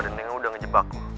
dan yang udah ngejebak lo